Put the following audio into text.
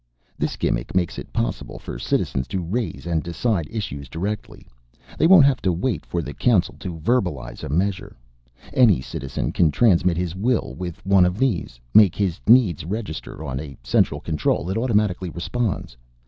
"This gimmick makes it possible for citizens to raise and decide issues directly. They won't have to wait for the Council to verbalize a measure. Any citizen can transmit his will with one of these, make his needs register on a central control that automatically responds.